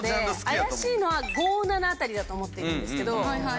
怪しいのは５７辺りだと思っているんですけど。